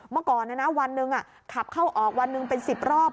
เมื่อก่อนวันหนึ่งขับเข้าออกวันหนึ่งเป็น๑๐รอบ